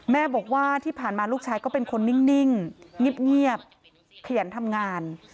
แม่บอกว่าที่ผ่านมาลูกชายก็เป็นคนนิ่งเงียบขยันทำงาน